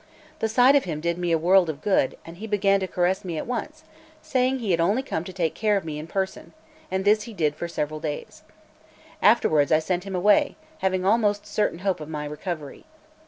The sight of him did me a world of good, and he began to caress me at once, saying he had only come to take care of me in person; and this he did for several days. Afterwards I sent him away, having almost certain hope of my recovery.